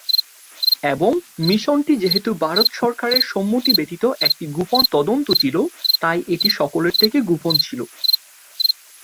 এবং মিশনটি যেহেতু ভারত সরকারের সম্মতি ব্যতীত একটি গোপন তদন্ত ছিল, তাই এটি সকলের থেকে গোপন ছিল।